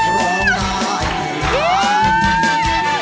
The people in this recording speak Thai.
ร้องได้ให้ร้อง